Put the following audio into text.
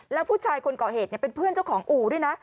แล้วผู้ชายคนก่อเหตุเป็นเพื่อนเจ้าของอู่ด้วยนะ